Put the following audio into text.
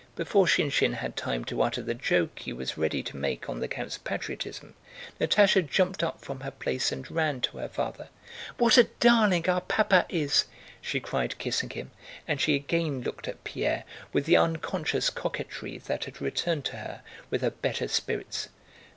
Before Shinshín had time to utter the joke he was ready to make on the count's patriotism, Natásha jumped up from her place and ran to her father. "What a darling our Papa is!" she cried, kissing him, and she again looked at Pierre with the unconscious coquetry that had returned to her with her better spirits.